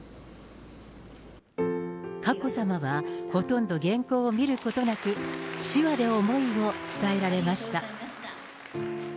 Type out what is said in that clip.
佳子さまはほとんど原稿を見ることなく、手話で思いを伝えられました。